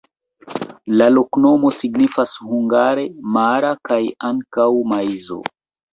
La loknomo signifas hungare: mara kaj ankaŭ maizo.